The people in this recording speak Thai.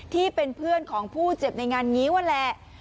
ที่เป็นเพื่อนของผู้เจ็บในงานงี้นั่นแหละ